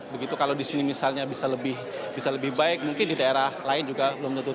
begitu kalau di sini misalnya bisa lebih baik mungkin di daerah lain juga belum tentu